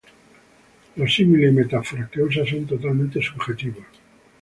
Los símiles y metáforas que usa son totalmente subjetivos.